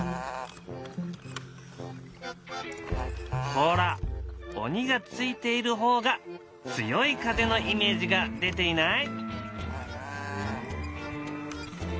ほら鬼が付いている方が強い風のイメージが出ていない？